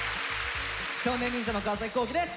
少年忍者の川皇輝です。